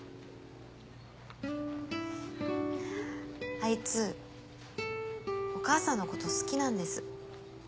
あいつお母さんのこと好きなんです。